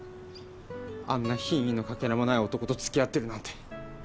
あんな品位の欠片もない男と付き合ってるなんて。